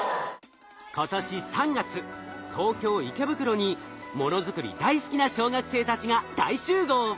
今年３月東京池袋にものづくり大好きな小学生たちが大集合。